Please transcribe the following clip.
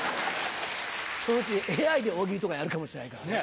そのうちＡＩで大喜利とかやるかもしれないからね。